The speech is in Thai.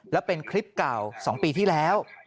แล้วเป็นคลิปเก่า๒ปีที่แล้ว